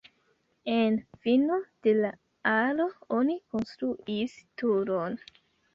En fino de la alo oni konstruis turon.